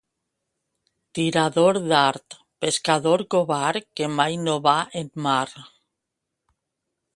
Tirador d'art, pescador covard que mai no va en mar.